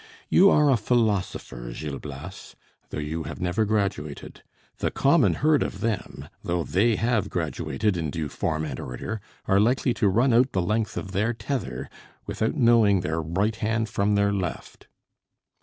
You are a philosopher, Gil Blas, though you have never graduated; the common herd of them, though they have graduated in due form and order, are likely to run out the length of their tether without knowing their right hand from their left."